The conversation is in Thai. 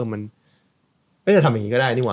เราทำอย่างนี้ก็ได้นี่หวะ